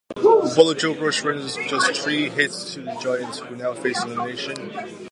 Bullet Joe Bush surrendered just three hits to the Giants, who now faced elimination.